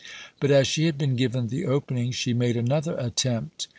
But, as she had been given the opening, she made another attempt.